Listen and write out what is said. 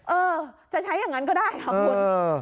เออจะใช้อย่างนั้นก็ได้ค่ะคุณ